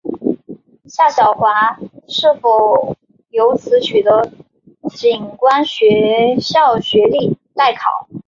夏晓华是否由此取得警官学校学历待考。